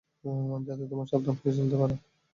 যাতে তোমরা সাবধান হয়ে চলতে পার।